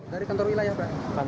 dari kantor wilayah pak